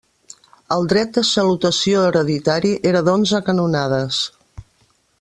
El dret de salutació hereditari era d'onze canonades.